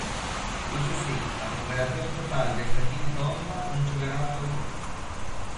Iso si, a recuperación total desta quinta onda non chegará ata outono.